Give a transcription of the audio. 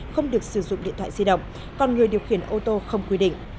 không được sử dụng điện thoại di động còn người điều khiển ô tô không quy định